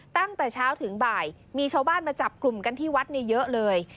ตั้งแต่เช้าถึงบ่ายมีชาวบ้านมาจับกลุ่มกันที่วัดเนี่ยเยอะเลย